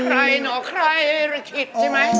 ใครหน่อใครคิดใช่ไหม